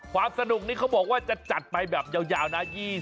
ความสนุกนี้เขาบอกว่าจะจัดไปแบบยาวนะ